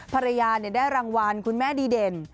ภรรยาได้รางวัลคุณแม่ดีเด่น